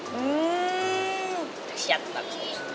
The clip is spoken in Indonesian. hmm siap pak